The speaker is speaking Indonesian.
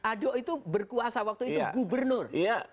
ado itu berkuasa waktu itu gubernur